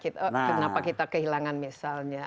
kenapa kita kehilangan misalnya